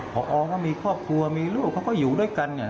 เพ้ออก็มีครอบครัวมีลูกเขาก็อยู่ด้วยกันเหนะฮะ